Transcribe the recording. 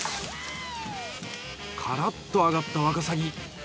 カラッと揚がったワカサギ。